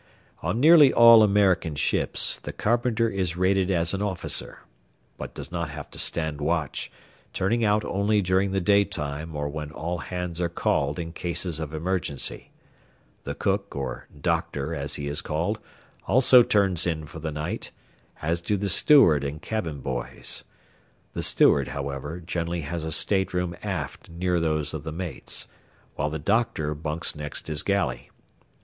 On nearly all American ships the carpenter is rated as an officer, but does not have to stand watch, turning out only during the day time or when all hands are called in cases of emergency. The cook, or "doctor," as he is called, also turns in for the night, as do the steward and cabin boys; the steward, however, generally has a stateroom aft near those of the mates, while the "doctor" bunks next his galley.